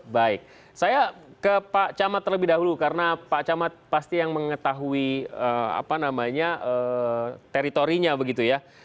baik saya ke pak camat terlebih dahulu karena pak camat pasti yang mengetahui teritorinya